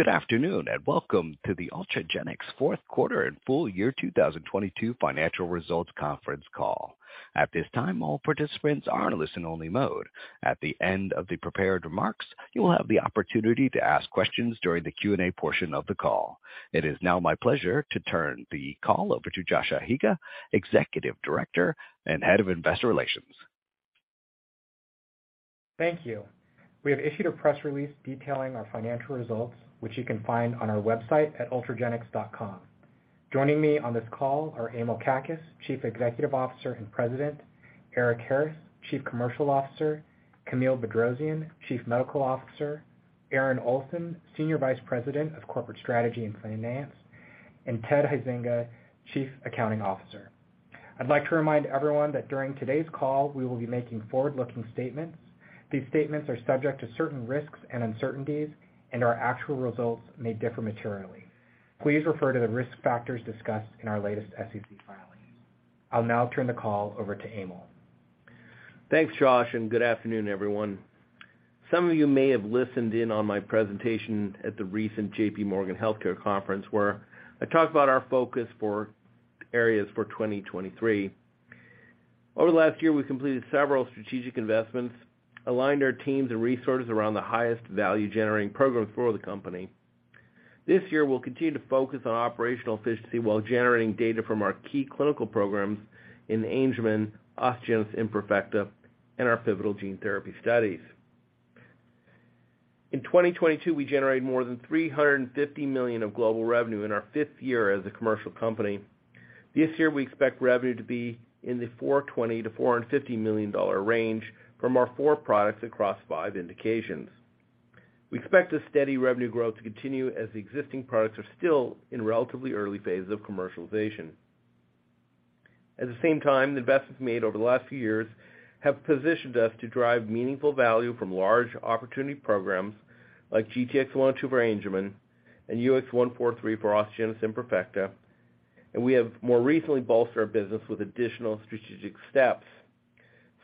Good afternoon, welcome to the Ultragenyx's fourth quarter and full year 2022 financial results conference call. At this time, all participants are in listen-only mode. At the end of the prepared remarks you will have the opportunity to ask questions during the Q&A portion of the call. It is now my pleasure to turn the call over to Joshua Higa, Executive Director and Head of Investor Relations. Thank you. We have issued a press release detailing our financial results, which you can find on our website at ultragenyx.com. Joining me on this call are Emil Kakkis, Chief Executive Officer and President, Erik Harris, Chief Commercial Officer, Camille Bedrosian, Chief Medical Officer, Aaron Olsen, Senior Vice President of Corporate Strategy and Finance, and Ted Huizenga, Chief Accounting Officer. I'd like to remind everyone that during today's call we will be making forward-looking statements. These statements are subject to certain risks and uncertainties, and our actual results may differ materially. Please refer to the risk factors discussed in our latest SEC filings. I'll now turn the call over to Emil. Thanks, Josh. Good afternoon, everyone. Some of you may have listened in on my presentation at the recent JPMorgan Healthcare Conference, where I talked about our focus for areas for 2023. Over the last year, we completed several strategic investments, aligned our teams and resources around the highest value-generating programs for the company. This year we'll continue to focus on operational efficiency while generating data from our key clinical programs in Angelman, osteogenesis imperfecta, and our pivotal gene therapy studies. In 2022, we generated more than $350 million of global revenue in our fifth year as a commercial company. This year we expect revenue to be in the $420 million-$450 million range from our four products across five indications. We expect a steady revenue growth to continue as the existing products are still in relatively early phases of commercialization. At the same time, the investments made over the last few years have positioned us to drive meaningful value from large opportunity programs like GTX-102 for Angelman and UX143 for osteogenesis imperfecta. We have more recently bolstered our business with additional strategic steps.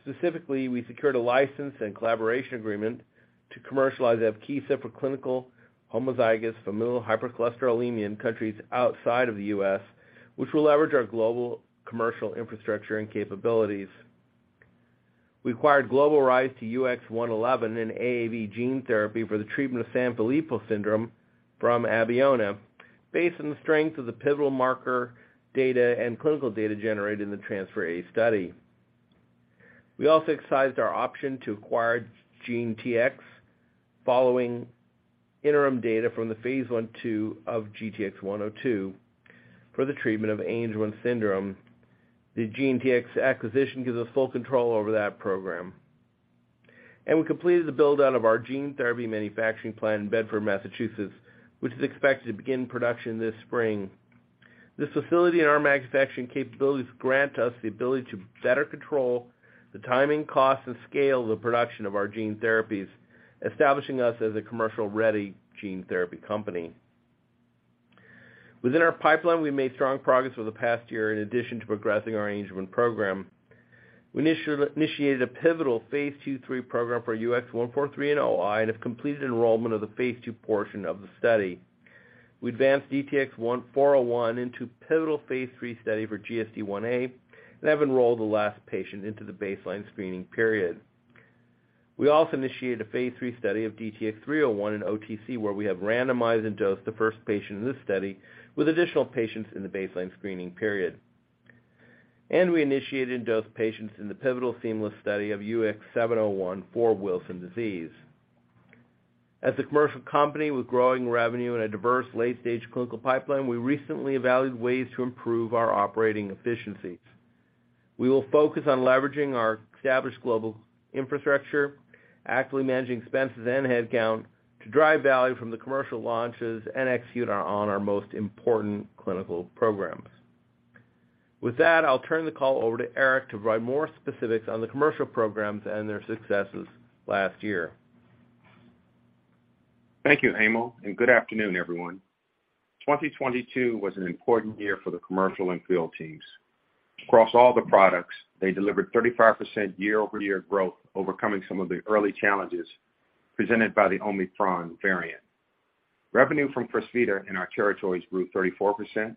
Specifically, we secured a license and collaboration agreement to commercialize Evkeeza for clinical homozygous familial hypercholesterolemia in countries outside of the U.S., which will leverage our global commercial infrastructure and capabilities. We acquired global rights to UX111 in AAV gene therapy for the treatment of Sanfilippo syndrome from Abeona based on the strength of the pivotal marker data and clinical data generated in the Transpher A study. We also excised our option to acquire GeneTX following interim data from the phase I/II of GTX-102 for the treatment of Angelman syndrome. The GeneTX acquisition gives us full control over that program. We completed the build-out of our gene therapy manufacturing plant in Bedford, Massachusetts, which is expected to begin production this spring. This facility and our manufacturing capabilities grant us the ability to better control the timing, cost, and scale of the production of our gene therapies, establishing us as a commercial-ready gene therapy company. Within our pipeline, we made strong progress over the past year in addition to progressing our Angelman program. We initiated a pivotal phase II/III program for UX143 in OI and have completed enrollment of the phase II portion of the study. We advanced DTX401 into pivotal Phase III study for GSDIa and have enrolled the last patient into the baseline screening period. We also initiated a Phase III study of DTX301 in OTC, where we have randomized and dosed the first patient in this study with additional patients in the baseline screening period. We initiated and dosed patients in the pivotal seamless study of UX701 for Wilson disease. As a commercial company with growing revenue in a diverse late-stage clinical pipeline, we recently evaluated ways to improve our operating efficiencies. We will focus on leveraging our established global infrastructure, actively managing expenses and headcount to drive value from the commercial launches and execute on our most important clinical programs. With that, I'll turn the call over to Erik to provide more specifics on the commercial programs and their successes last year. Thank you, Emil, and good afternoon, everyone. 2022 was an important year for the commercial and field teams. Across all the products, they delivered 35% year-over-year growth, overcoming some of the early challenges presented by the Omicron variant. Revenue from Crysvita in our territories grew 34%.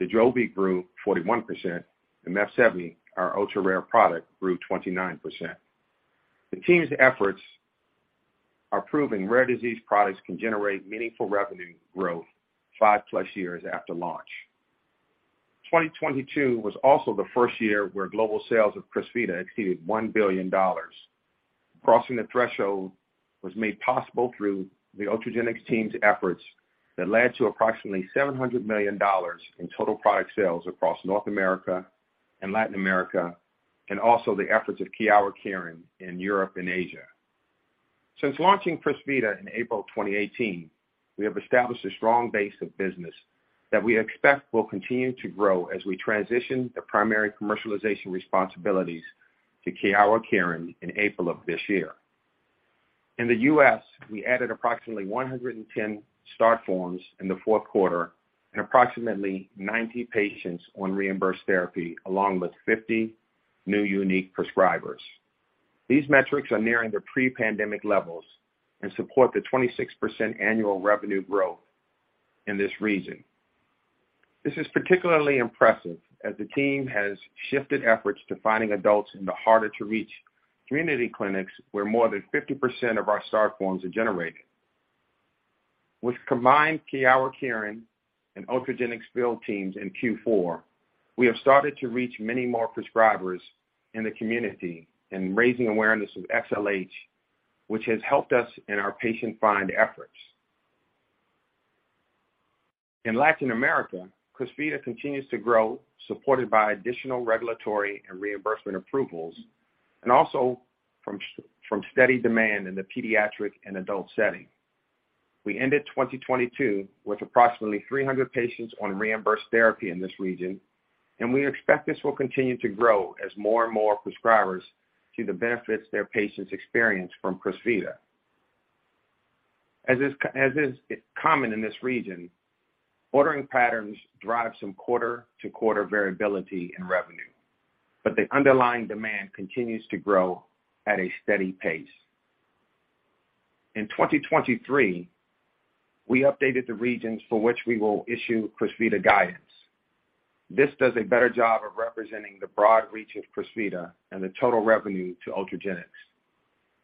Dojolvi grew 41%. Mepsevii, our ultra-rare product, grew 29%. The team's efforts are proving rare disease products can generate meaningful revenue growth 5+ years after launch. 2022 was also the first year where global sales of Crysvita exceeded $1 billion. Crossing the threshold was made possible through the Ultragenyx team's efforts that led to approximately $700 million in total product sales across North America and Latin America, also the efforts of Kyowa Kirin in Europe and Asia. Since launching Crysvita in April 2018, we have established a strong base of business that we expect will continue to grow as we transition the primary commercialization responsibilities to Kyowa Kirin in April of this year. In the U.S., we added approximately 110 start forms in the fourth quarter and approximately 90 patients on reimbursed therapy, along with 50 new unique prescribers. These metrics are nearing their pre-pandemic levels and support the 26% annual revenue growth in this region. This is particularly impressive as the team has shifted efforts to finding adults in the harder to reach community clinics where more than 50% of our start forms are generated. With combined Kyowa Kirin and Ultragenyx field teams in Q4, we have started to reach many more prescribers in the community and raising awareness of XLH, which has helped us in our patient find efforts. In Latin America, Crysvita continues to grow, supported by additional regulatory and reimbursement approvals and also from steady demand in the pediatric and adult setting. We ended 2022 with approximately 300 patients on reimbursed therapy in this region. We expect this will continue to grow as more and more prescribers see the benefits their patients experience from Crysvita. As is common in this region, ordering patterns drive some quarter-to-quarter variability in revenue, the underlying demand continues to grow at a steady pace. In 2023, we updated the regions for which we will issue Crysvita guidance. This does a better job of representing the broad reach of Crysvita and the total revenue to Ultragenyx.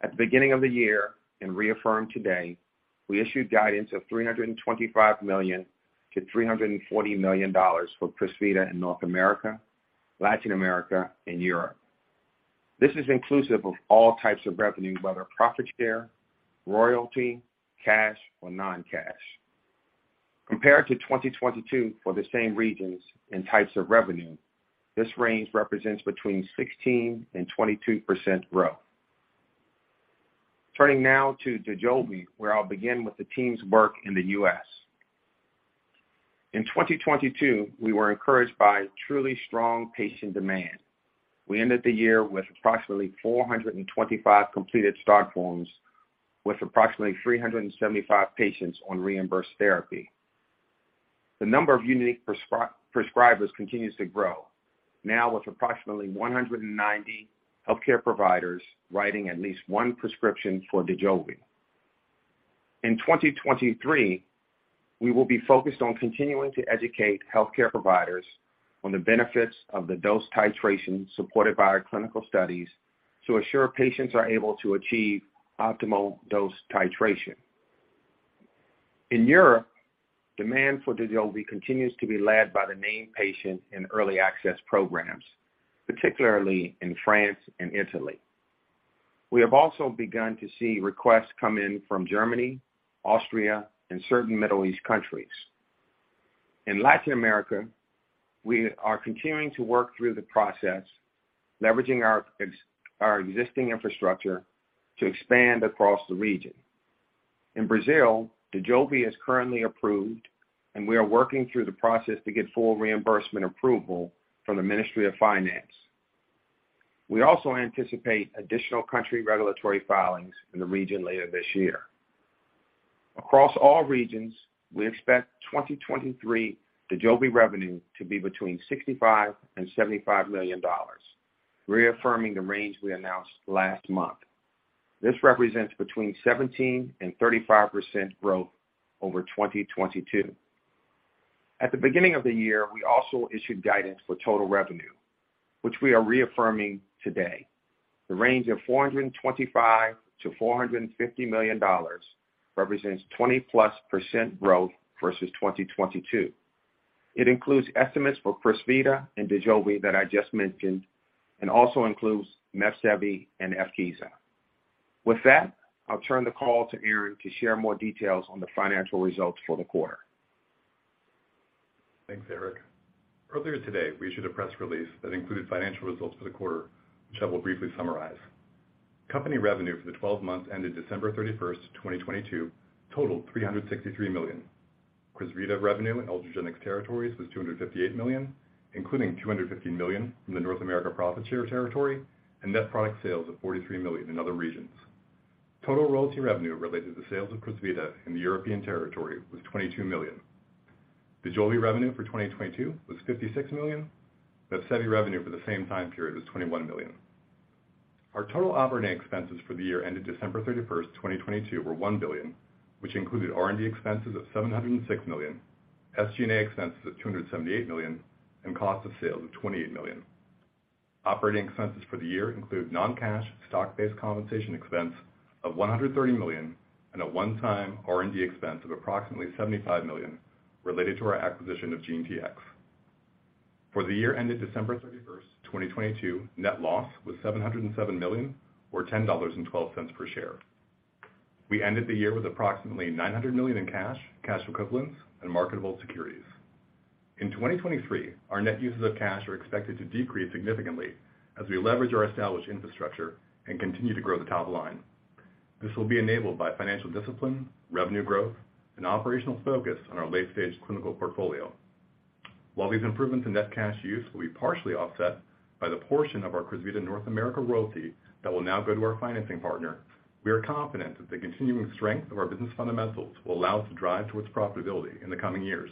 At the beginning of the year, reaffirmed today, we issued guidance of $325 million-$340 million for Crysvita in North America, Latin America, and Europe. This is inclusive of all types of revenue, whether profit share, royalty, cash or non-cash. Compared to 2022 for the same regions and types of revenue, this range represents between 16%-22% growth. Turning now to Dojolvi, where I'll begin with the team's work in the U.S. In 2022, we were encouraged by truly strong patient demand. We ended the year with approximately 425 completed start forms with approximately 375 patients on reimbursed therapy. The number of unique prescribers continues to grow, now with approximately 190 healthcare providers writing at least one prescription for Dojolvi. In 2023, we will be focused on continuing to educate healthcare providers on the benefits of the dose titration supported by our clinical studies to assure patients are able to achieve optimal dose titration. In Europe, demand for Dojolvi continues to be led by the named patient in early access programs, particularly in France and Italy. We have also begun to see requests come in from Germany, Austria, and certain Middle East countries. In Latin America, we are continuing to work through the process, leveraging our existing infrastructure to expand across the region. In Brazil, Dojolvi is currently approved, and we are working through the process to get full reimbursement approval from the Ministry of Finance. We also anticipate additional country regulatory filings in the region later this year. Across all regions, we expect 2023 Dojolvi revenue to be between $65 million and $75 million, reaffirming the range we announced last month. This represents between 17% and 35% growth over 2022. At the beginning of the year, we also issued guidance for total revenue, which we are reaffirming today. The range of $425 million-$450 million represents 20%+ growth versus 2022. It includes estimates for Crysvita and Dojolvi that I just mentioned and also includes Mepsevii and Evkeeza. With that, I'll turn the call to Aaron to share more details on the financial results for the quarter. Thanks, Erik. Earlier today, we issued a press release that included financial results for the quarter, which I will briefly summarize. Company revenue for the 12 months ended December 31st, 2022 totaled $363 million. Crysvita revenue in Ultragenyx territories was $258 million, including $250 million in the North America profit share territory and net product sales of $43 million in other regions. Total royalty revenue related to sales of Crysvita in the European territory was $22 million. Dojolvi revenue for 2022 was $56 million. Mepsevii revenue for the same time period was $21 million. Our total operating expenses for the year ended December 31st, 2022 were $1 billion, which included R&D expenses of $706 million, SG&A expenses of $278 million, and cost of sales of $28 million. Operating expenses for the year include non-cash stock-based compensation expense of $130 million, and a one-time R&D expense of approximately $75 million related to our acquisition of GeneTX. For the year ended December 31st, 2022, net loss was $707 million or $10.12 per share. We ended the year with approximately $900 million in cash equivalents and marketable securities. In 2023, our net uses of cash are expected to decrease significantly as we leverage our established infrastructure and continue to grow the top line. This will be enabled by financial discipline, revenue growth, and operational focus on our late-stage clinical portfolio. While these improvements in net cash use will be partially offset by the portion of our Crysvita North America royalty that will now go to our financing partner, we are confident that the continuing strength of our business fundamentals will allow us to drive towards profitability in the coming years.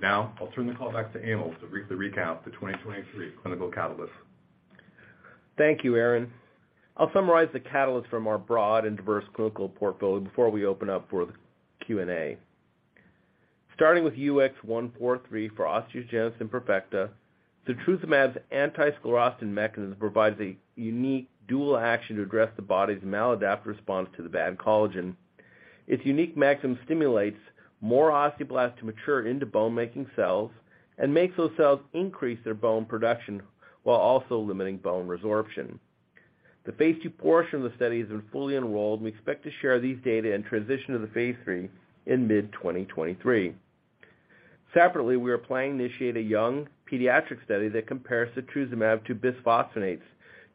Now I'll turn the call back to Emil to briefly recount the 2023 clinical catalyst. Thank you, Aaron Olsen. I'll summarize the catalyst from our broad and diverse clinical portfolio before we open up for the Q&A. Starting with UX143 for osteogenesis imperfecta, setrusumab's anti-sclerostin mechanism provides a unique dual action to address the body's maladaptive response to the bad collagen. Its unique mechanism stimulates more osteoblasts to mature into bone-making cells and makes those cells increase their bone production while also limiting bone resorption. The phase II portion of the study has been fully enrolled. We expect to share these data and transition to the phase III in mid-2023. Separately, we are planning to initiate a young pediatric study that compares setrusumab to bisphosphonates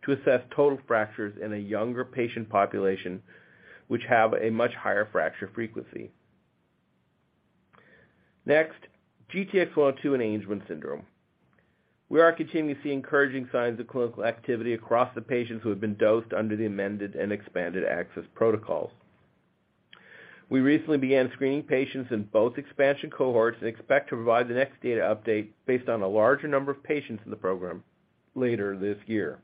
to assess total fractures in a younger patient population, which have a much higher fracture frequency. Next, GTX-102 in Angelman syndrome. We are continuing to see encouraging signs of clinical activity across the patients who have been dosed under the amended and expanded access protocols. We recently began screening patients in both expansion cohorts and expect to provide the next data update based on a larger number of patients in the program later this year.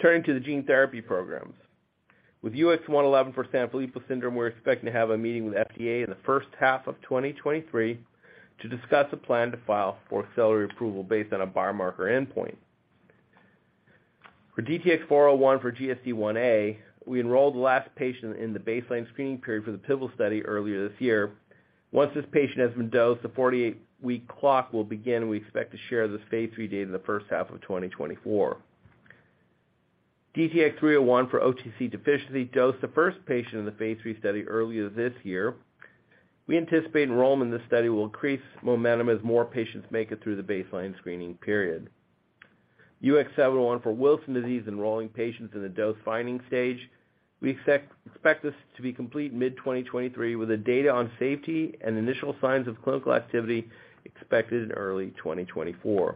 Turning to the gene therapy programs. With UX111 for Sanfilippo syndrome, we're expecting to have a meeting with FDA in the first half of 2023 to discuss a plan to file for accelerated approval based on a biomarker endpoint. For DTX401 for GSDIa, we enrolled the last patient in the baseline screening period for the pivotal study earlier this year. Once this patient has been dosed, the 48-week clock will begin, and we expect to share this phase III data in the first half of 2024. DTX301 for OTC deficiency dosed the first patient in the phase III study earlier this year. We anticipate enrollment in this study will increase momentum as more patients make it through the baseline screening period. UX701 for Wilson disease, enrolling patients in the dose-finding stage. We expect this to be complete mid-2023, with the data on safety and initial signs of clinical activity expected in early 2024.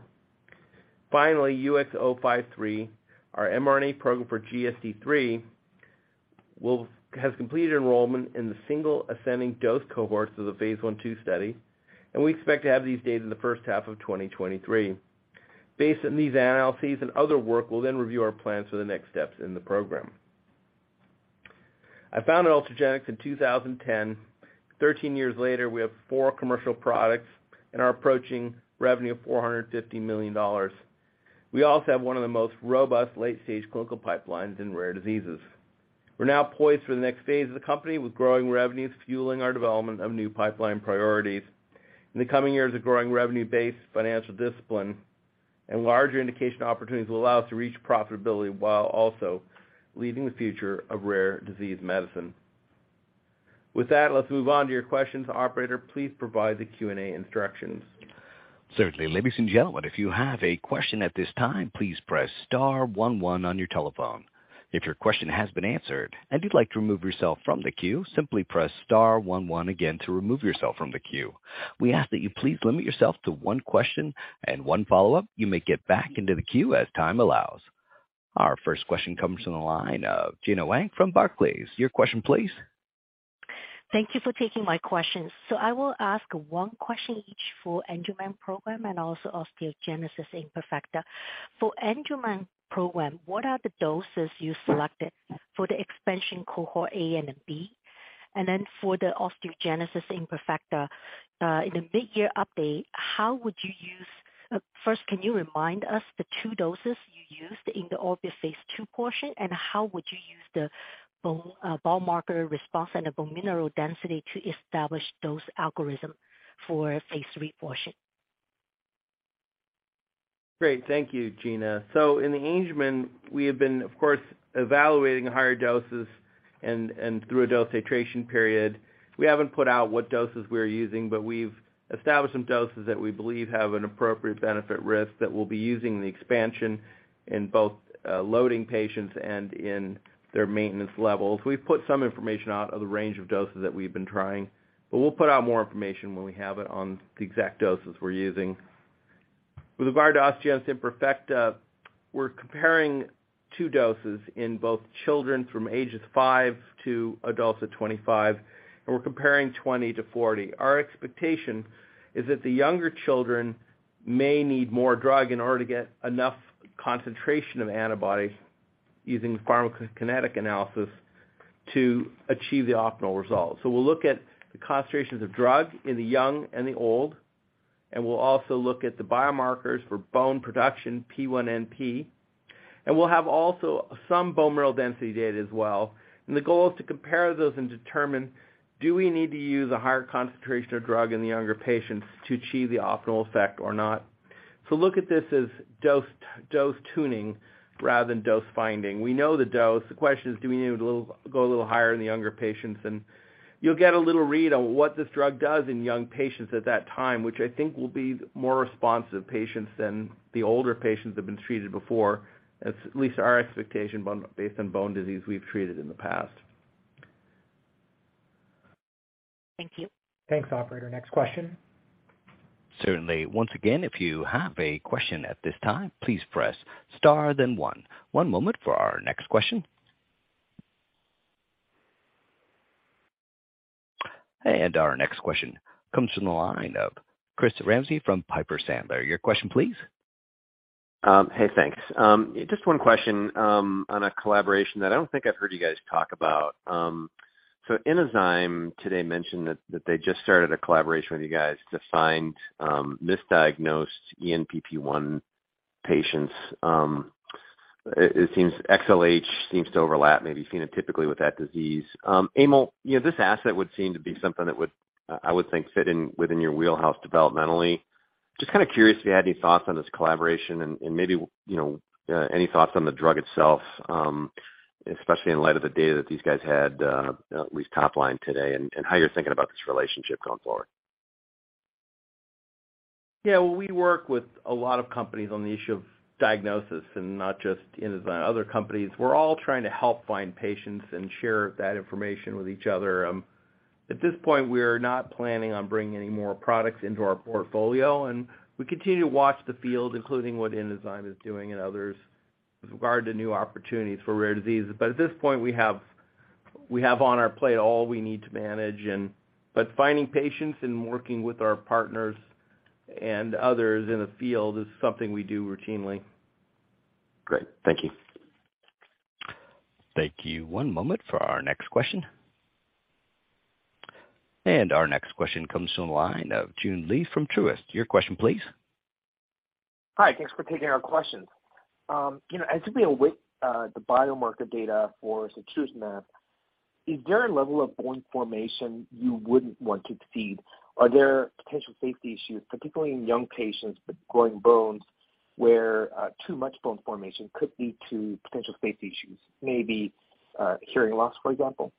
Finally, UX053, our mRNA program for GSD III, has completed enrollment in the single ascending dose cohorts of the phase I/II study, and we expect to have these data in the first half of 2023. Based on these analyses and other work, we'll then review our plans for the next steps in the program. I founded Ultragenyx in 2010. 13 years later, we have four commercial products and are approaching revenue of $450 million. We also have one of the most robust late-stage clinical pipelines in rare diseases. We're now poised for the next phase of the company, with growing revenues fueling our development of new pipeline priorities. In the coming years, a growing revenue base, financial discipline, and larger indication opportunities will allow us to reach profitability while also leading the future of rare disease medicine. With that, let's move on to your questions. Operator, please provide the Q&A instructions. Certainly. Ladies and gentlemen, if you have a question at this time, please press star one one on your telephone. If your question has been answered and you'd like to remove yourself from the queue, simply press star one one again to remove yourself from the queue. We ask that you please limit yourself to one question and one follow-up. You may get back into the queue as time allows. Our first question comes from the line of Gena Wang from Barclays. Your question please. Thank you for taking my questions. I will ask one question each for Angelman program and also osteogenesis imperfecta. For Angelman program, what are the doses you selected for the expansion cohort A and B? For the osteogenesis imperfecta, in the mid-year update, first, can you remind us the two doses you used in the ORBITIA phase II portion? How would you use the bone biomarker response and the bone mineral density to establish dose algorithm for phase III portion? Great. Thank you, Gena. In Angelman, we have been, of course, evaluating higher doses and through a dose titration period. We haven't put out what doses we're using, but we've established some doses that we believe have an appropriate benefit risk that we'll be using in the expansion in both loading patients and in their maintenance levels. We've put some information out of the range of doses that we've been trying, but we'll put out more information when we have it on the exact doses we're using. With regard to osteogenesis imperfecta, we're comparing two doses in both children from ages 5 to adults at 25, and we're comparing 20 to 40. Our expectation is that the younger children may need more drug in order to get enough concentration of antibody using pharmacokinetic analysis to achieve the optimal results. We'll look at the concentrations of drug in the young and the old, we'll also look at the biomarkers for bone production, P1NP. We'll have also some bone marrow density data as well. The goal is to compare those and determine, do we need to use a higher concentration of drug in the younger patients to achieve the optimal effect or not? Look at this as dose tuning rather than dose finding. We know the dose. The question is, do we need to go a little higher in the younger patients? You'll get a little read on what this drug does in young patients at that time, which I think will be more responsive patients than the older patients that have been treated before. That's at least our expectation based on bone disease we've treated in the past. Thank you. Thanks, operator. Next question. Certainly. Once again, if you have a question at this time, please press star then one. One moment for our next question. Our next question comes from the line of Chris Raymond from Piper Sandler. Your question please. Hey, thanks. Just one question on a collaboration that I don't think I've heard you guys talk about. Inozyme today mentioned that they just started a collaboration with you guys to find misdiagnosed ENPP1 patients. It seems XLH seems to overlap, maybe phenotypically with that disease. Emil, you know, this asset would seem to be something that would, I would think fit in within your wheelhouse developmentally. Just kinda curious if you had any thoughts on this collaboration and maybe, you know, any thoughts on the drug itself, especially in light of the data that these guys had at least top line today, and how you're thinking about this relationship going forward. Yeah, well, we work with a lot of companies on the issue of diagnosis, and not just Inozyme, other companies. We're all trying to help find patients and share that information with each other. At this point, we are not planning on bringing any more products into our portfolio, and we continue to watch the field, including what Inozyme is doing and others with regard to new opportunities for rare diseases. At this point, we have on our plate all we need to manage. Finding patients and working with our partners and others in the field is something we do routinely. Great. Thank you. Thank you. One moment for our next question. Our next question comes from the line of Joon Lee from Truist Securities. Your question please. Hi. Thanks for taking our questions. you know, as we await, the biomarker data for setrusumab, is there a level of bone formation you wouldn't want to exceed? Are there potential safety issues, particularly in young patients with growing bones, where, too much bone formation could lead to potential safety issues, maybe, hearing loss, for example?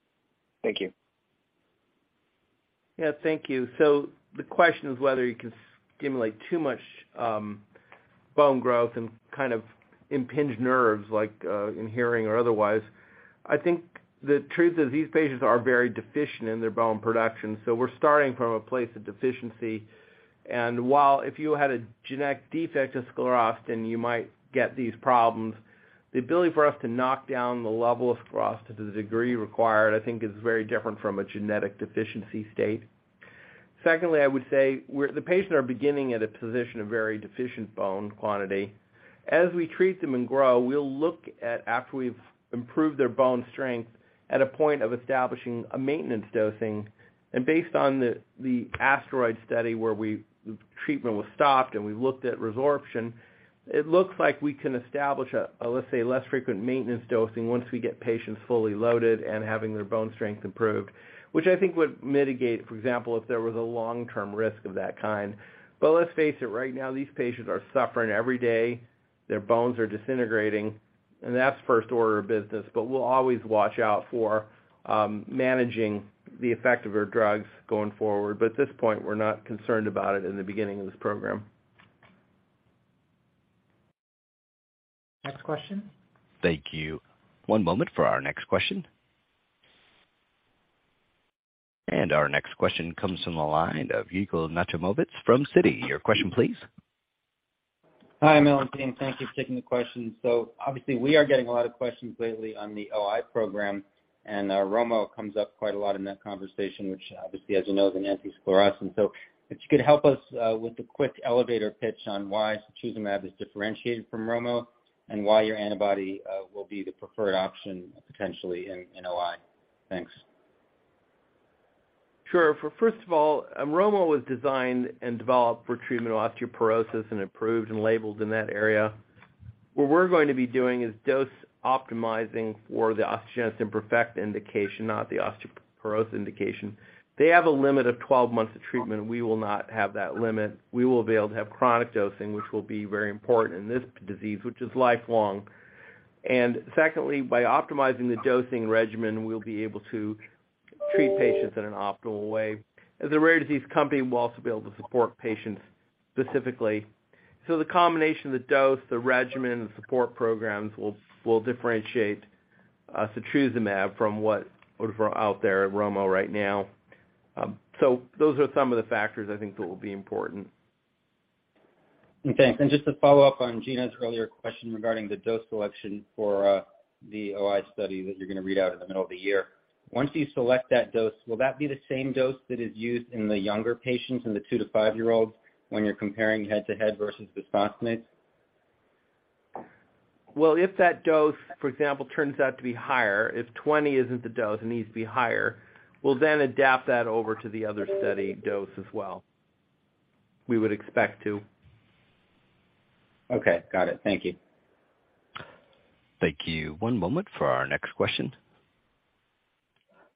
Thank you. Yeah, thank you. The question is whether you can stimulate too much bone growth and kind of impinge nerves like in hearing or otherwise. I think the truth is these patients are very deficient in their bone production, so we're starting from a place of deficiency. While if you had a genetic defect of sclerostin, you might get these problems, the ability for us to knock down the level of sclerostin to the degree required, I think is very different from a genetic deficiency state. Secondly, I would say the patient are beginning at a position of very deficient bone quantity. As we treat them and grow, we'll look at after we've improved their bone strength at a point of establishing a maintenance dosing. Based on the ASTEROID study where treatment was stopped and we looked at resorption, it looks like we can establish a less frequent maintenance dosing once we get patients fully loaded and having their bone strength improved, which I think would mitigate, for example, if there was a long-term risk of that kind. Let's face it, right now, these patients are suffering every day. Their bones are disintegrating, that's first order of business. We'll always watch out for managing the effect of our drugs going forward. At this point, we're not concerned about it in the beginning of this program. Next question. Thank you. One moment for our next question. Our next question comes from the line of Yigal Nochomovitz from Citi. Your question please. Hi, Emil, team. Thank you for taking the question. Obviously, we are getting a lot of questions lately on the OI program, and romosozumab comes up quite a lot in that conversation, which obviously, as you know, is an anti-sclerostin. If you could help us with a quick elevator pitch on why setrusumab is differentiated from romosozumab and why your antibody will be the preferred option potentially in OI. Thanks. Sure. For first of all, romosozumab was designed and developed for treatment of osteoporosis and approved and labeled in that area. What we're going to be doing is dose optimizing for the osteogenesis imperfecta indication, not the osteoporosis indication. They have a limit of 12 months of treatment. We will not have that limit. We will be able to have chronic dosing, which will be very important in this disease, which is lifelong. Secondly, by optimizing the dosing regimen, we'll be able to treat patients in an optimal way. As a rare disease company, we'll also be able to support patients specifically. The combination of the dose, the regimen, the support programs will differentiate setrusumab from what would out there at romosozumab right now. Those are some of the factors I think that will be important. Okay. Just to follow up on Gena's earlier question regarding the dose selection for the OI study that you're gonna read out in the middle of the year. Once you select that dose, will that be the same dose that is used in the younger patients in the two to five-year-olds when you're comparing head-to-head versus bisphosphonates? If that dose, for example, turns out to be higher, if 20 isn't the dose, it needs to be higher, we'll then adapt that over to the other study dose as well. We would expect to. Okay. Got it. Thank you. Thank you. One moment for our next question.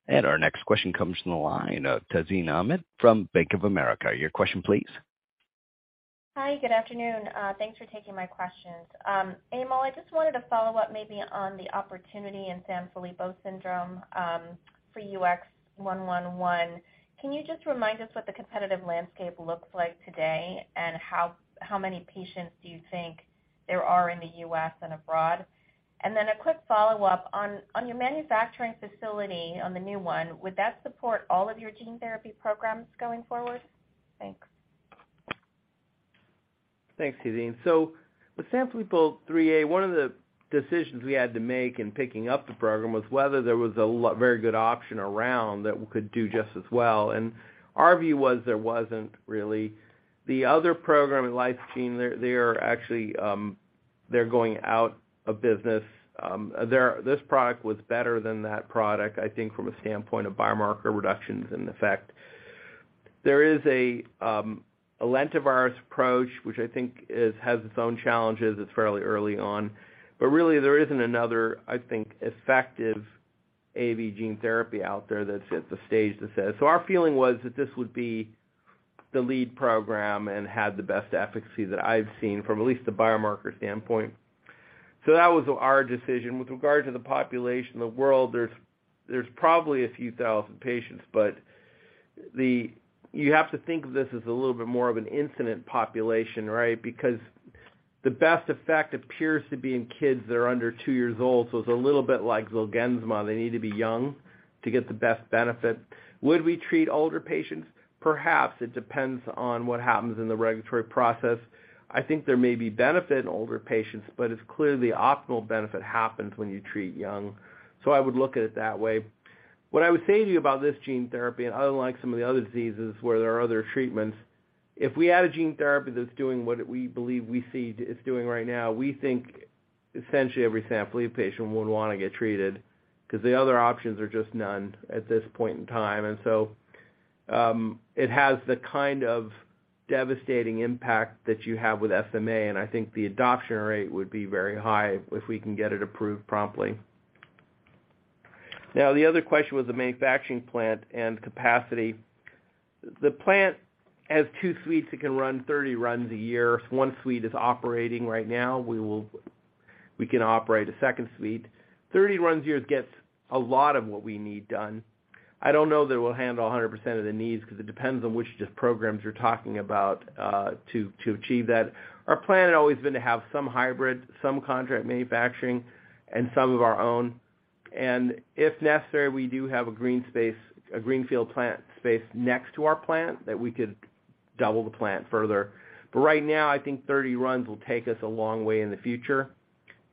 Our next question comes from the line of Tazeen Ahmad from Bank of America Securities. Your question please. Hi, good afternoon. Thanks for taking my questions. Emil, I just wanted to follow up maybe on the opportunity in Sanfilippo syndrome for UX111. Can you just remind us what the competitive landscape looks like today? How many patients do you think there are in the U.S. and abroad? Then a quick follow-up on your manufacturing facility on the new one, would that support all of your gene therapy programs going forward? Thanks. Thanks, Tazeen. With Sanfilippo 3A, one of the decisions we had to make in picking up the program was whether there was a very good option around that we could do just as well. Our view was there wasn't really. The other program with Lyfegen, they are actually, they're going out of business. This product was better than that product, I think, from a standpoint of biomarker reductions in effect. There is a lentivirus approach, which I think has its own challenges. It's fairly early on. Really there isn't another, I think, effective AAV gene therapy out there that's at the stage that says... Our feeling was that this would be the lead program and had the best efficacy that I've seen from at least the biomarker standpoint. That was our decision. With regard to the population, the world, there's probably a few thousand patients, but you have to think of this as a little bit more of an incident population, right? Because the best effect appears to be in kids that are under two years old, so it's a little bit like Zolgensma. They need to be young to get the best benefit. Would we treat older patients? Perhaps. It depends on what happens in the regulatory process. I think there may be benefit in older patients, but it's clear the optimal benefit happens when you treat young. I would look at it that way. What I would say to you about this gene therapy and unlike some of the other diseases where there are other treatments, if we add a gene therapy that's doing what we believe we see it's doing right now, we think essentially every Sanfilippo patient would wanna get treated because the other options are just none at this point in time. It has the kind of devastating impact that you have with SMA, and I think the adoption rate would be very high if we can get it approved promptly. Now, the other question was the manufacturing plant and capacity. The plant has two suites. It can run 30 runs a year. One suite is operating right now. We can operate a second suite. [30] runs a year gets a lot of what we need done. I don't know that it will handle 100% of the needs because it depends on which just programs you're talking about to achieve that. Our plan had always been to have some hybrid, some contract manufacturing and some of our own. If necessary, we do have a green space, a greenfield plant space next to our plant that we could double the plant further. Right now, I think 30 runs will take us a long way in the future.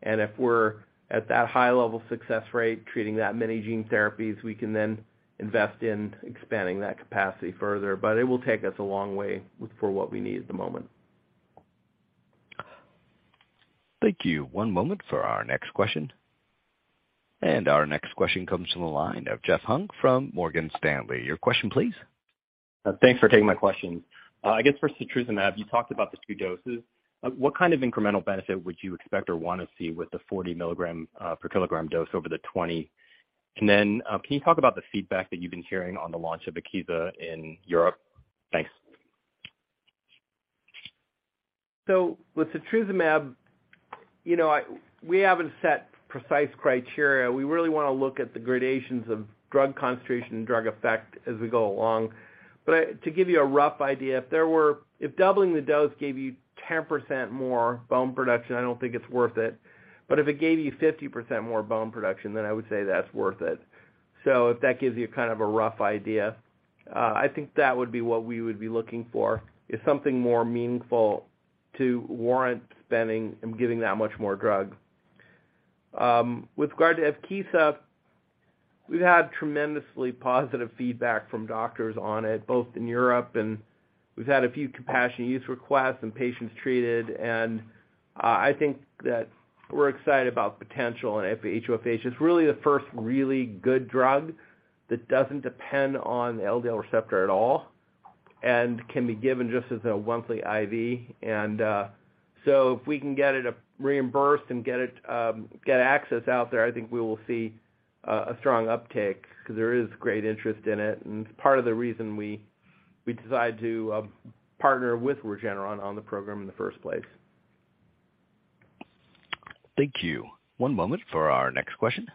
If we're at that high level success rate, treating that many gene therapies, we can then invest in expanding that capacity further. It will take us a long way with, for what we need at the moment. Thank you. One moment for our next question. Our next question comes from the line of Jeffrey Hung from Morgan Stanley. Your question, please. Thanks for taking my question. I guess first to setrusumab, you talked about the two doses. What kind of incremental benefit would you expect or wanna see with the 40 milligram per kilogram dose over the 20? Can you talk about the feedback that you've been hearing on the launch of Crysvita in Europe? Thanks. With setrusumab, you know, we haven't set precise criteria. We really wanna look at the gradations of drug concentration and drug effect as we go along. To give you a rough idea, if doubling the dose gave you 10% more bone production, I don't think it's worth it. If it gave you 50% more bone production, then I would say that's worth it. If that gives you kind of a rough idea, I think that would be what we would be looking for, is something more meaningful to warrant spending and giving that much more drug. With regard to Evkeeza, we've had tremendously positive feedback from doctors on it, both in Europe and we've had a few compassion use requests and patients treated. I think that we're excited about the potential in HoFH. It's really the first really good drug that doesn't depend on the LDL receptor at all and can be given just as a monthly IV. If we can get it reimbursed and get it, get access out there, I think we will see a strong uptake 'cause there is great interest in it, and it's part of the reason we decided to partner with Regeneron on the program in the first place. Thank you. One moment for our next question.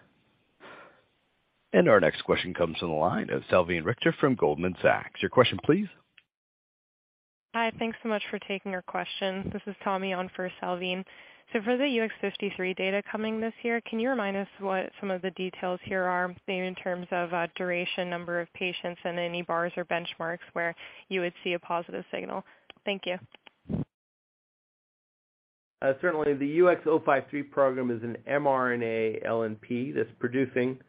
Our next question comes from the line of Salveen Richter from Goldman Sachs. Your question, please. Hi. Thanks so much for taking our questions. This is [Tommy] on for Salveen. For the UX053 data coming this year, can you remind us what some of the details here are in terms of duration, number of patients, and any bars or benchmarks where you would see a positive signal? Thank you. Certainly. The UX053 program is an mRNA LNP that's producing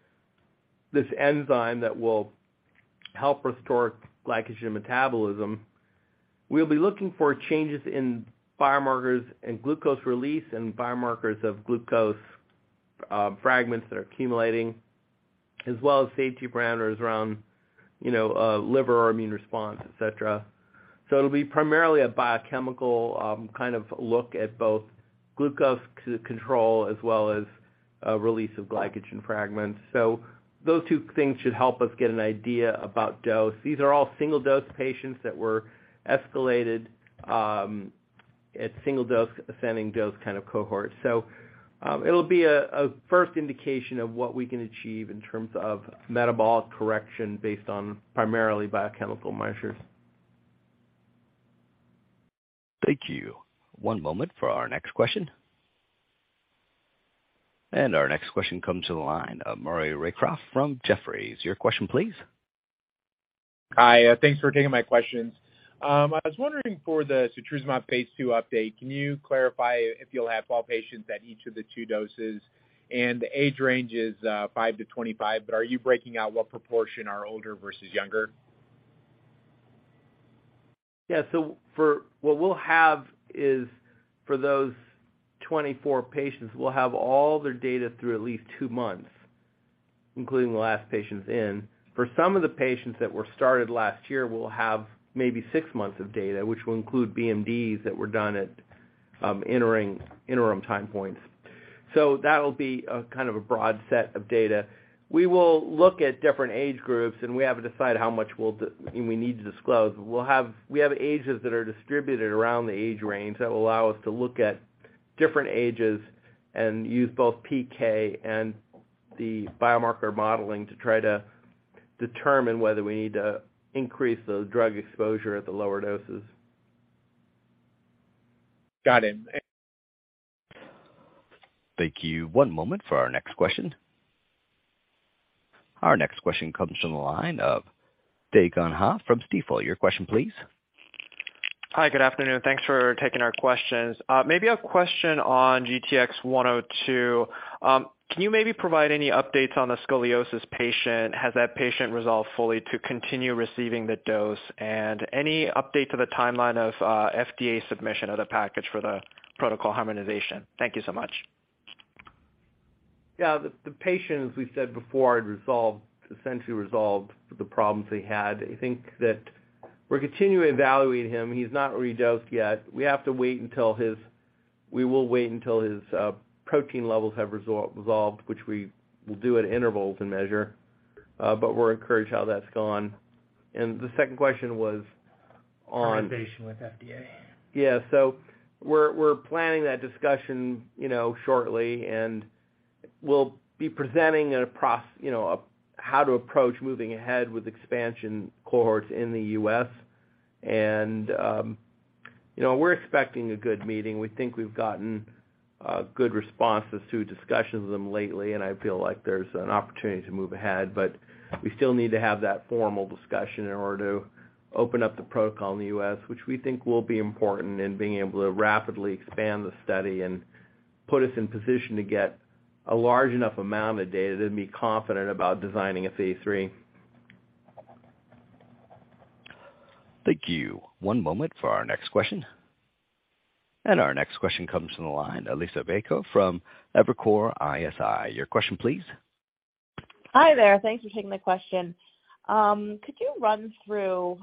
this enzyme that will help restore glycogen metabolism. We'll be looking for changes in biomarkers and glucose release and biomarkers of glucose fragments that are accumulating, as well as safety parameters around, you know, liver or immune response, et cetera. It'll be primarily a biochemical kind of look at both glucose control as well as release of glycogen fragments. Those two things should help us get an idea about dose. These are all single-dose patients that were escalated at single dose, ascending dose kind of cohort. It'll be a first indication of what we can achieve in terms of metabolic correction based on primarily biochemical measures. Thank you. One moment for our next question. Our next question comes to the line of Maury Raycroft from Jefferies. Your question please. Hi. Thanks for taking my questions. I was wondering for the setrusumab phase II update, can you clarify if you'll have all patients at each of the two doses, and the age range is 5-25, but are you breaking out what proportion are older versus younger? Yeah. What we'll have is for those 24 patients, we'll have all their data through at least two months, including the last patients in. For some of the patients that were started last year, we'll have maybe six months of data, which will include BMD that were done at entering interim time points. That'll be a kind of a broad set of data. We will look at different age groups, and we have to decide how much we'll do and we need to disclose. We have ages that are distributed around the age range that will allow us to look at different ages and use both PK and the biomarker modeling to try to determine whether we need to increase the drug exposure at the lower doses. Got it. Thank you. One moment for our next question. Our next question comes from the line of Dae Gon Ha from Stifel. Your question, please. Hi, good afternoon. Thanks for taking our questions. maybe a question on GTX-102. can you maybe provide any updates on the scoliosis patient? Has that patient resolved fully to continue receiving the dose? Any update to the timeline of FDA submission of the package for the protocol harmonization? Thank you so much. Yeah. The patient, as we said before, had resolved, essentially resolved the problems he had. I think that we're continuing evaluating him. He's not redosed yet. We will wait until his protein levels have resolved, which we will do at intervals and measure, but we're encouraged how that's gone. The second question was on? Harmonization with FDA. Yeah. We're planning that discussion, you know, shortly, and we'll be presenting, you know, how to approach moving ahead with expansion cohorts in the U.S. You know, we're expecting a good meeting. We think we've gotten good responses to discussions with them lately, and I feel like there's an opportunity to move ahead. We still need to have that formal discussion in order to open up the protocol in the U.S., which we think will be important in being able to rapidly expand the study and put us in position to get a large enough amount of data to be confident about designing a phase III. Thank you. One moment for our next question. Our next question comes from the line, Liisa Bayko from Evercore ISI. Your question, please. Hi there. Thanks for taking my question. Could you run through,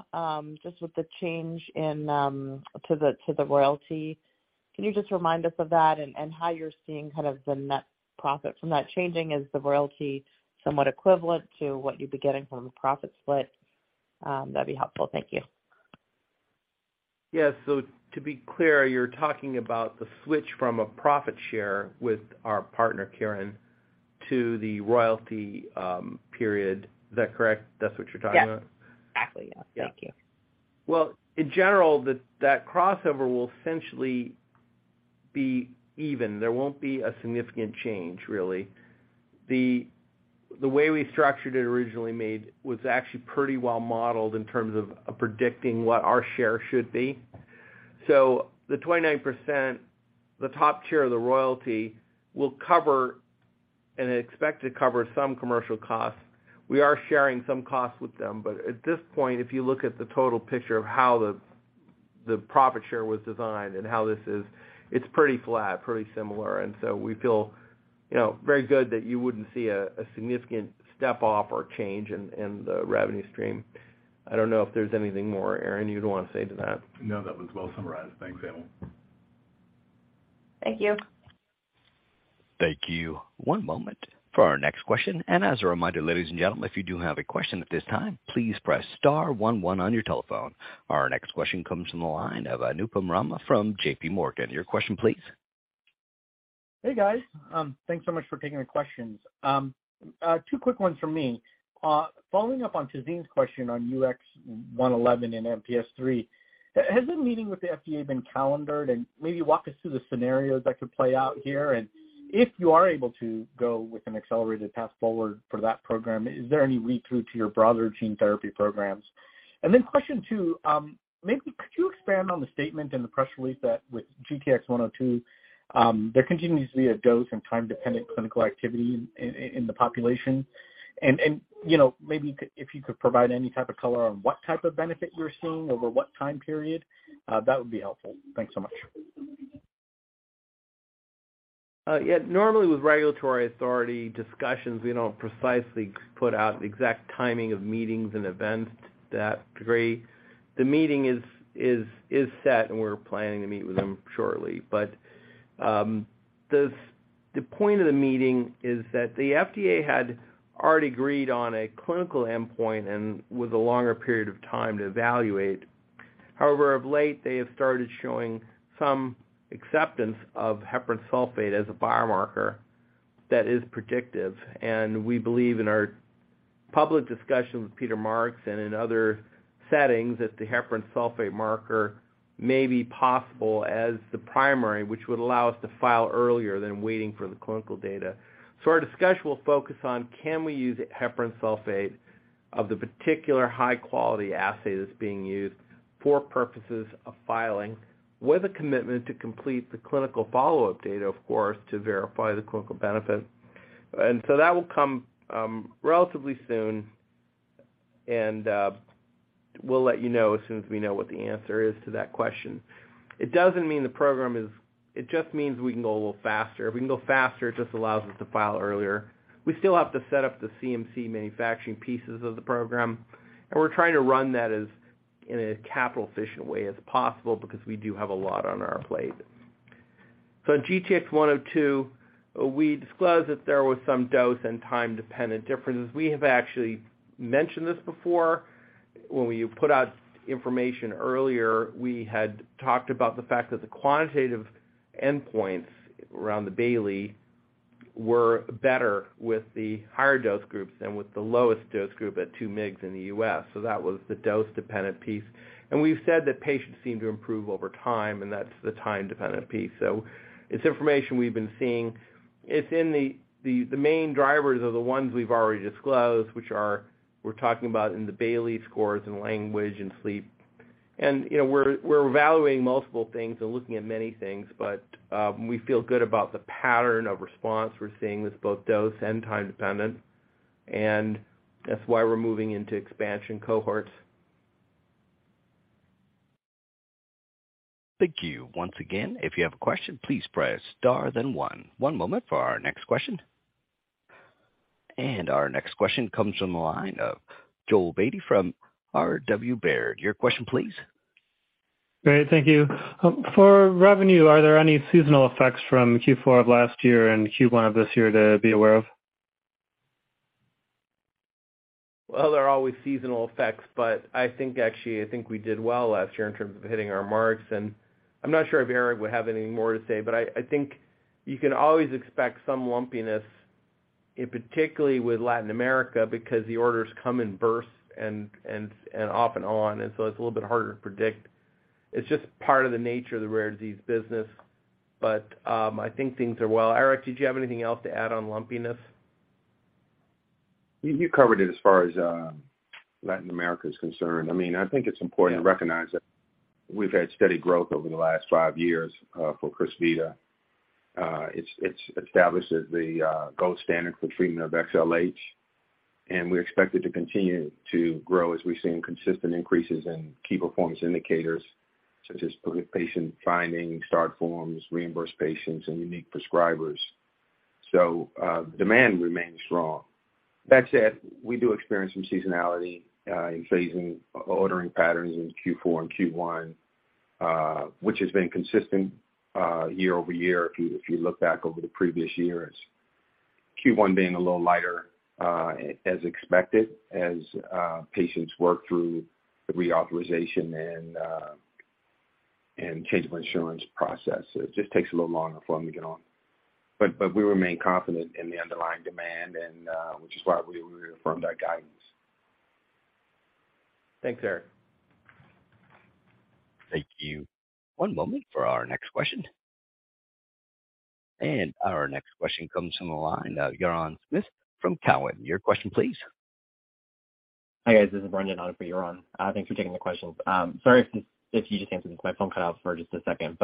just with the change in, to the, to the royalty, can you just remind us of that and how you're seeing kind of the net profit from that changing? Is the royalty somewhat equivalent to what you'd be getting from a profit split? That'd be helpful. Thank you. Yeah. To be clear, you're talking about the switch from a profit share with our partner, Kirin, to the royalty period. Is that correct? That's what you're talking about? Yes, exactly. Yes. Thank you. Well, in general, that crossover will essentially be even. There won't be a significant change really. The way we structured it originally made was actually pretty well modeled in terms of predicting what our share should be. The 29%, the top tier of the royalty will cover and expect to cover some commercial costs. We are sharing some costs with them, but at this point, if you look at the total picture of how the profit share was designed and how this is, it's pretty flat, pretty similar. We feel, you know, very good that you wouldn't see a significant step-off or change in the revenue stream. I don't know if there's anything more, Aaron, you'd want to say to that. No, that was well summarized. Thanks, Emil. Thank you. Thank you. One moment for our next question. As a reminder, ladies and gentlemen, if you do have a question at this time, please press star one one on your telephone. Our next question comes from the line of Anupam Rama from JPMorgan. Your question please. Hey, guys. Thanks so much for taking the questions. Two quick ones from me. Following up on Tazeen's question on UX111 and MPS III, has the meeting with the FDA been calendared? Maybe walk us through the scenarios that could play out here. If you are able to go with an accelerated path forward for that program, is there any read-through to your brother gene therapy programs? Question two, maybe could you expand on the statement in the press release that with GTX-102, there continues to be a dose and time-dependent clinical activity in the population? And, you know, maybe if you could provide any type of color on what type of benefit you're seeing over what time period, that would be helpful. Thanks so much. yeah, normally with regulatory authority discussions, we don't precisely put out exact timing of meetings and events to that degree. The meeting is set, and we're planning to meet with them shortly. The point of the meeting is that the FDA had already agreed on a clinical endpoint and with a longer period of time to evaluate. However, of late, they have started showing some acceptance of heparan sulfate as a biomarker that is predictive. we believe in our public discussion with Peter Marks and in other settings that the heparan sulfate marker may be possible as the primary, which would allow us to file earlier than waiting for the clinical data. Our discussion will focus on can we use heparan sulfate of the particular high quality assay that's being used for purposes of filing, with a commitment to complete the clinical follow-up data, of course, to verify the clinical benefit. That will come relatively soon. We'll let you know as soon as we know what the answer is to that question. It just means we can go a little faster. If we can go faster, it just allows us to file earlier. We still have to set up the CMC manufacturing pieces of the program, and we're trying to run that as in a capital efficient way as possible because we do have a lot on our plate. In GTX-102, we disclosed that there was some dose and time-dependent differences. We have actually mentioned this before. When we put out information earlier, we had talked about the fact that the quantitative endpoints around the Bayley were better with the higher dose groups than with the lowest dose group at 2 mgs in the U.S. That was the dose-dependent piece. We've said that patients seem to improve over time, and that's the time-dependent piece. It's information we've been seeing. It's in the main drivers are the ones we've already disclosed, which are, we're talking about in the Bayley scores in language and sleep. You know, we're evaluating multiple things and looking at many things, but we feel good about the pattern of response we're seeing with both dose and time dependent, and that's why we're moving into expansion cohorts. Thank you. Once again, if you have a question, please press Star then one. One moment for our next question. Our next question comes from the line of Joel Beatty from RW Baird. Your question please. Great. Thank you. For revenue, are there any seasonal effects from Q4 of last year and Q1 of this year to be aware of? Well, there are always seasonal effects, but I think actually, I think we did well last year in terms of hitting our marks. I'm not sure if Erik would have any more to say, but I think you can always expect some lumpiness, in particular with Latin America because the orders come in bursts and off and on, so it's a little bit harder to predict. It's just part of the nature of the rare disease business. I think things are well. Erik, did you have anything else to add on lumpiness? You covered it as far as, Latin America is concerned. I mean, I think it's important to recognize that we've had steady growth over the last five years for Crysvita. It's established as the gold standard for treatment of XLH, and we expect it to continue to grow as we've seen consistent increases in key performance indicators such as patient finding, start forms, reimbursed patients and unique prescribers. Demand remains strong. That said, we do experience some seasonality in phasing ordering patterns in Q4 and Q1, which has been consistent year-over-year if you look back over the previous years. Q1 being a little lighter, as expected as patients work through the reauthorization and change of insurance process. It just takes a little longer for them to get on. We remain confident in the underlying demand and which is why we reaffirmed our guidance. Thanks, Erik. Thank you. One moment for our next question. Our next question comes from the line of Yaron Werber from Cowen. Your question please. Hi, guys. This is Brendan on for Yaron. Thanks for taking the questions. Sorry if you just answered this. My phone cut out for just a second.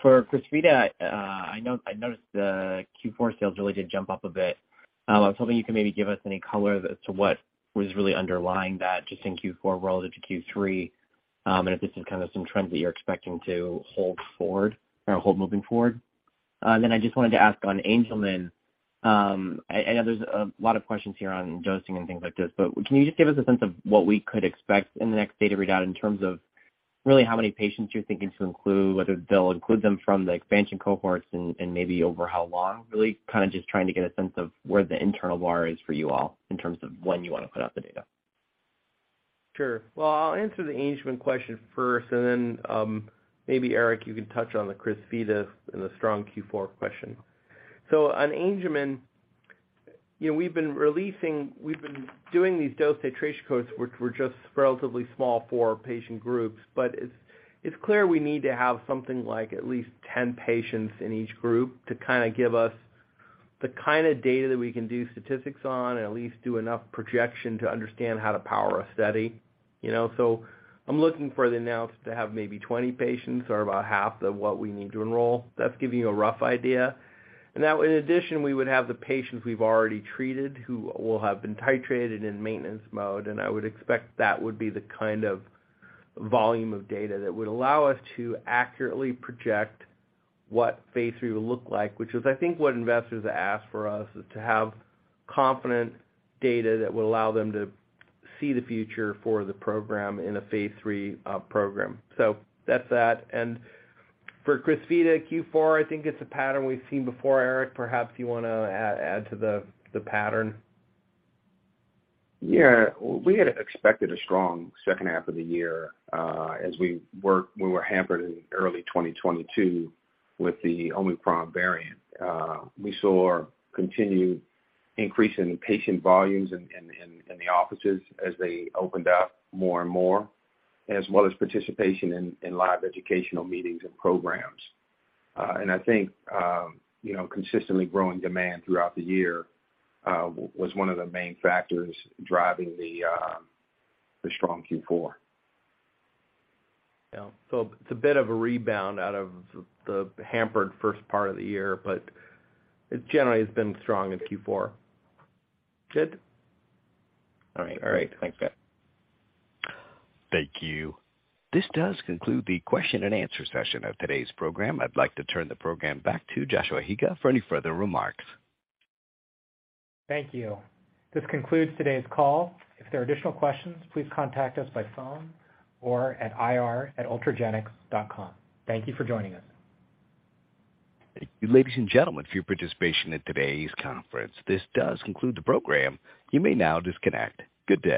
For Crysvita, I noticed the Q4 sales really did jump up a bit. I was hoping you could maybe give us any color as to what was really underlying that just in Q4 relative to Q3, and if this is kind of some trends that you're expecting to hold forward or hold moving forward. I just wanted to ask on Angelman. I know there's a lot of questions here on dosing and things like this, but can you just give us a sense of what we could expect in the next data readout in terms of really how many patients you're thinking to include, whether they'll include them from the expansion cohorts and maybe over how long? Really kind of just trying to get a sense of where the internal bar is for you all in terms of when you wanna put out the data. Sure. I'll answer the Angelman question first, and then Erik, you can touch on the Crysvita and the strong Q4 question. On Angelman, you know, we've been doing these dose titration codes, which were just relatively small for patient groups. It's clear we need to have something like at least 10 patients in each group to kinda give us the kinda data that we can do statistics on and at least do enough projection to understand how to power a study, you know. I'm looking for the analysis to have maybe 20 patients or about half of what we need to enroll. That's giving you a rough idea. In addition, we would have the patients we've already treated who will have been titrated in maintenance mode, and I would expect that would be the kind of volume of data that would allow us to accurately project what phase III would look like, which is I think what investors ask for us, is to have confident data that will allow them to see the future for the program in a phase III program. So that's that. For Crysvita Q4, I think it's a pattern we've seen before. Eric, perhaps you wanna add to the pattern. Yeah. We had expected a strong second half of the year, we were hampered in early 2022 with the Omicron variant. We saw continued increase in patient volumes in the offices as they opened up more and more, as well as participation in live educational meetings and programs. I think, you know, consistently growing demand throughout the year, was one of the main factors driving the strong Q4. Yeah. It's a bit of a rebound out of the hampered first part of the year, but it generally has been strong in Q4. [Sid?] All right. All right. Thanks, guys. Thank you. This does conclude the question and answer session of today's program. I'd like to turn the program back to Joshua Higa for any further remarks. Thank you. This concludes today's call. If there are additional questions, please contact us by phone or at ir@ultragenyx.com. Thank you for joining us. Thank you, ladies and gentlemen, for your participation in today's conference. This does conclude the program. You may now disconnect. Good day.